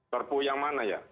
perpu yang mana ya